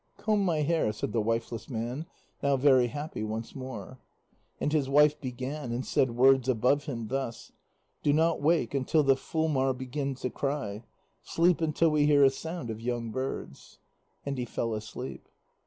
"Comb my hair," said the wifeless man, now very happy once more. And his wife began, and said words above him thus: "Do not wake until the fulmar begins to cry: sleep until we hear a sound of young birds." And he fell asleep.